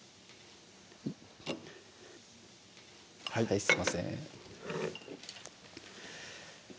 はいはいすいません